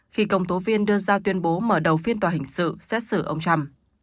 khi công tố viên đưa ra tuyên bố mở đầu phiên tòa hình sự xét xử ông trump